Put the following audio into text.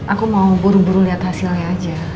aku mau buru buru lihat hasilnya aja